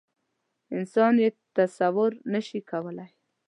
انسان یې تصویر نه شي کولی.